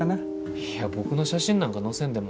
いや僕の写真なんか載せんでも。